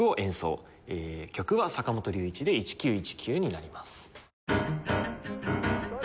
曲は坂本龍一で『１９１９』になります。